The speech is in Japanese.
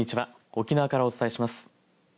沖縄からお伝えします。